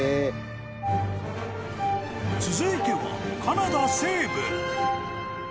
［続いてはカナダ西部］